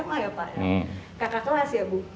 kakak kelas ya bu